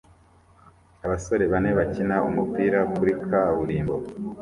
Abasore bane bakina umupira kuri kaburimbo